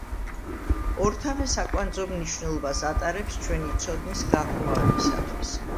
ორთავე საკვანძო მნიშვნელობას ატარებს ჩვენი ცოდნის გაღრმავებისთვის.